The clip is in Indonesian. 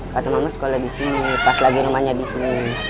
kata mama sekolah disini pas lagi rumahnya disini